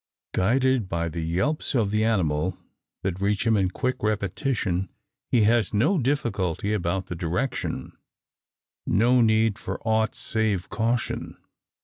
Guided by the yelps of the animal, that reach him in quick repetition, he has no difficulty about the direction no need for aught save caution.